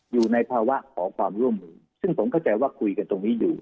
อยู่ในภาวะขอความร่วมมือซึ่งผมเข้าใจว่าคุยกันตรงนี้อยู่